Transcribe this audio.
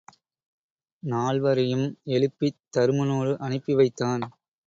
நால்வரையும் எழுப்பித் தருமனோடு அனுப்பி வைத்தான்.